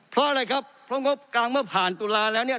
เพราะอะไรครับเพราะงบกลางเมื่อผ่านตุลาแล้วเนี่ย